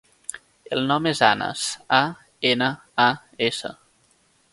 El nom és Anas: a, ena, a, essa.